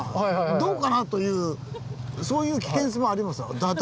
どうかな？」というそういう危険性もあります。